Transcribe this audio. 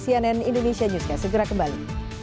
cnn indonesia newscast segera kembali